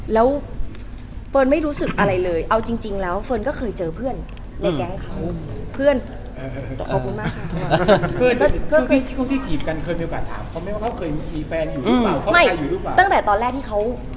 แล้วเฟิร์นไม่รู้สึกอะไรเลยเอาจริงแล้วเฟิร์นก็เคยเจอเพื่อนในแก๊งเขา